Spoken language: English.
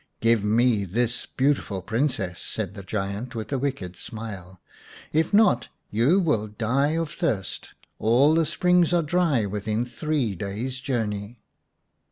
" Give me this beautiful Princess," said the giant, with a wicked smile. " If not, you will die of thirst. All the springs are dry within three days' journey."